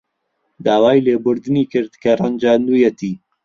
داوای لێبوردنی کرد کە ڕەنجاندوویەتی.